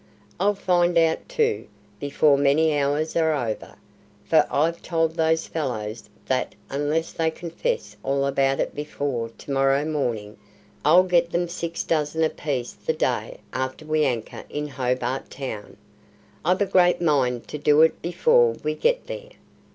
I'll find out, too, before many hours are over; for I've told those fellows that unless they confess all about it before to morrow morning, I'll get them six dozen a piece the day after we anchor in Hobart Town. I've a great mind to do it before we get there.